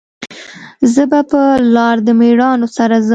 زه به په لار د میړانو سره ځم